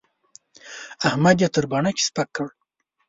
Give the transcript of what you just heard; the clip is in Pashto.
احمد يې تر بڼکې سپک کړ.